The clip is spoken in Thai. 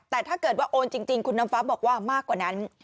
แต่ถ้าเกิดว่าโอนจริงคุณน้ำฟ้าบอกว่ามากกว่านั้น